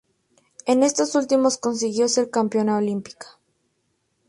En estos últimos consiguió ser campeona olímpica.